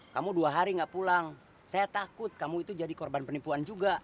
kamu dua hari gak pulang saya takut kamu itu jadi korban penipuan juga